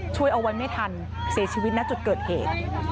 ช่วยเอาไว้ไม่ทันเสียชีวิตณจุดเกิดเหตุ